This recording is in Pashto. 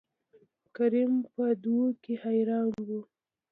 کريم په دو کې حيران وو.